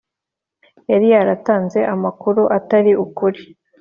yari yaratanze amakuru atari ukuri